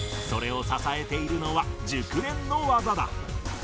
それを支えているのは熟練の技だ。